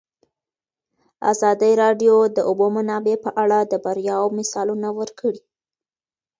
ازادي راډیو د د اوبو منابع په اړه د بریاوو مثالونه ورکړي.